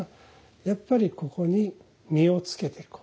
やっぱりここに身を付けていこう。